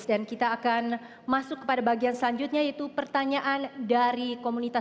dan kita akan masuk ke bagian selanjutnya yaitu pertanyaan dari komunitas